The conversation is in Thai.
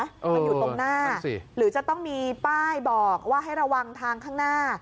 มันอยู่ตรงหน้าหรือจะต้องมีป้ายบอกว่าให้ระวังทางข้างหน้า